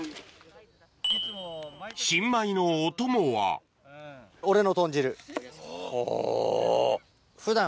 新米のお供はほぉ。